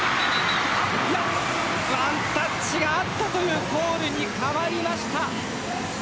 いやワンタッチがあったというコールに変わりました。